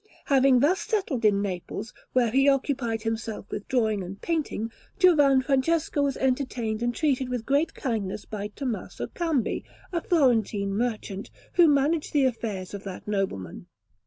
Having thus settled in Naples, where he occupied himself with drawing and painting, Giovan Francesco was entertained and treated with great kindness by Tommaso Cambi, a Florentine merchant, who managed the affairs of that nobleman.